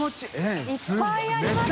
水卜）いっぱいありますね！